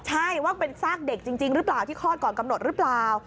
ใช่ว่าเป็นซากเด็กจริงหรือเปล่าที่คลอดก่อนกำหนดหรือเปล่า